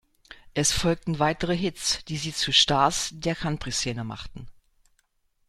Es folgten weitere Hits, die sie zu Stars der Country-Szene machten.